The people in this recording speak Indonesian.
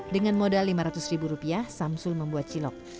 dengan modal lima ratus ribu rupiah samsul membuat cilok